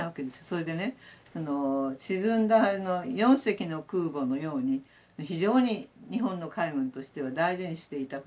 それでね沈んだ４隻の空母のように非常に日本の海軍としては大事にしていた船だし。